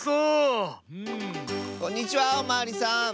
こんにちはおまわりさん。